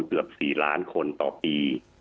เกือบ๔ล้านคนต่อปี